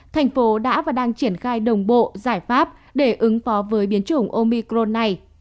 thành phố đã và đang triển khai đồng bộ giải pháp để ứng phó với biến chủng omicron này